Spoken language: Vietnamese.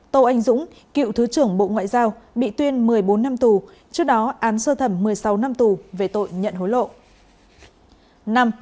bốn tô anh dũng cựu thứ trưởng bộ ngoại giao bị tuyên một mươi bốn năm tù trước đó án sơ thẩm một mươi sáu năm tù về tội nhận hối lộ